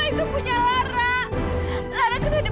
itu buat larang